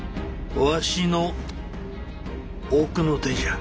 わしの奥の手じゃ。